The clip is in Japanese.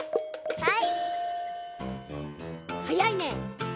はい。